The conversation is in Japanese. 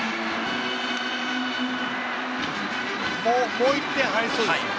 もう１点入りそうですね。